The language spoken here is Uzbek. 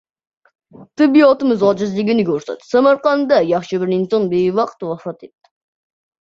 Tibbiyotimiz ojizligini ko‘rsatdi: Samarqandda yaxshi bir inson bevaqt vafot etdi